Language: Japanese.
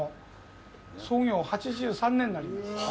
創業８３年になります。